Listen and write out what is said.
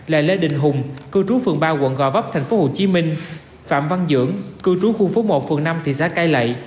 là lê đình hùng cư trú phường ba quận gò vấp tp hcm phạm văn dưỡng cư trú khu phố một phường năm thị xã cai lậy